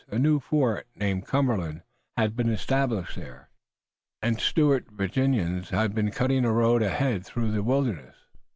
A new fort named Cumberland had been established there, and stalwart Virginians had been cutting a road ahead through the wilderness.